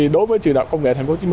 đối với trường đạo công nghệ tp hcm